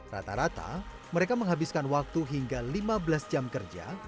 rata rata mereka menghabiskan waktu hingga lima belas jam kerja